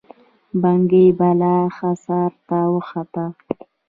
بګۍ بالا حصار ته وخته.